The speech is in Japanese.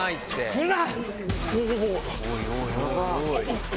来るな！